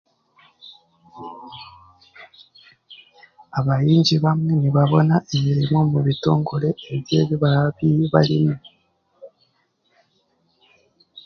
Abahingi bamwe nibabone emirimo omu bitongore ebi eba barimu